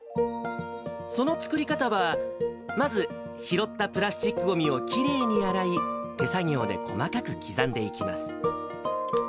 その作り方は、まず、拾ったプラスチックごみをきれいに洗い、手作業で細かく刻んでいきます。